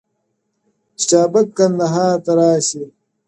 چي چابک کندهار ته راسي